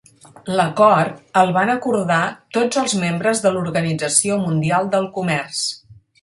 L'acord el van acordar tots els membres de l'Organització Mundial del Comerç.